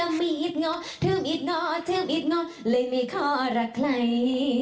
แต่ผัวเธอมีหิดงอถึงหิดงอถึงหิดงอเลยไม่ขอรักใคร